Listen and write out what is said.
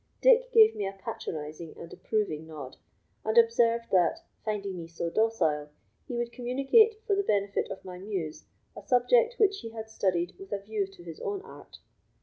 Dick gave me a patronising and approving nod, and observed that, finding me so docile, he would communicate, for the benefit of my muse, a subject which he had studied with a view to his own art.